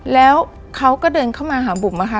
แล้วเขาก็เดินเข้ามาหาบุ๋มอะค่ะ